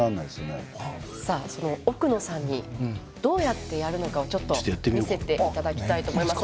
さあ奥野さんにどうやってやるのかをちょっと見せて頂きたいと思います。